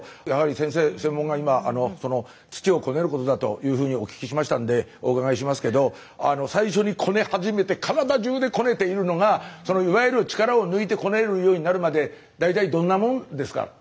やはり先生専門が今土をこねることだというふうにお聞きしましたんでお伺いしますけど最初にこね始めて体じゅうでこねているのがいわゆる力を抜いてこねるようになるまで大体どんなもんですか？